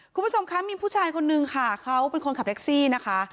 คุณผู้ชมคะมีผู้ชายคนนึงค่ะเขาเป็นคนขับแท็กซี่นะคะ